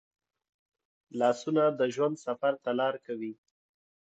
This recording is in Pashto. لاسونه د ژوند سفر ته لار کوي